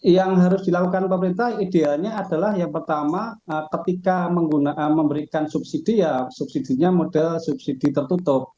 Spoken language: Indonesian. yang harus dilakukan pemerintah idealnya adalah yang pertama ketika memberikan subsidi ya subsidinya model subsidi tertutup